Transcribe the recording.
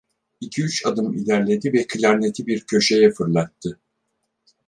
İki üç adım ilerledi ve klarneti bir köşeye fırlattı.